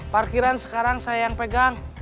parkiran sekarang saya yang pegang